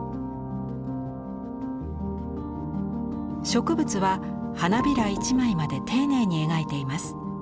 植物は花びら１枚まで丁寧に描いています。